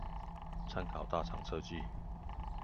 參考大廠設計